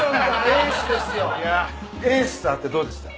エースと会ってどうでした？